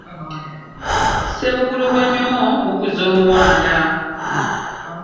Ssebugulu bwa nyomo mukuza omuwanda .